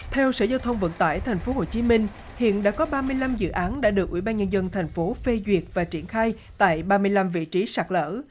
theo sẽ giao thông vận tải thành phố hcm hiện đã có ba mươi năm dự án đã được ubnd thành phố phê duyệt và triển khai tại ba mươi năm vị trí sạt lở